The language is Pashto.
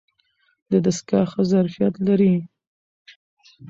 دستګاه ښه ظرفیت لري.